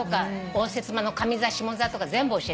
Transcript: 応接間の上座下座とか全部教えてもらう。